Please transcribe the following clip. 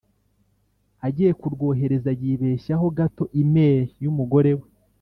agiye kurwohereza yibeshyaho gato e-mail y’umugore we